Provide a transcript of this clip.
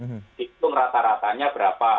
hitung rata ratanya berapa